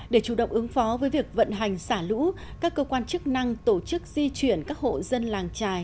để chủ động ứng phó với việc vận hành xả lũ các cơ quan chức năng tổ chức di chuyển các hộ dân làng trài